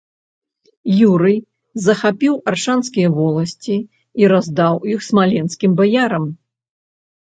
Юрый захапіў аршанскія воласці і раздаў іх смаленскім баярам.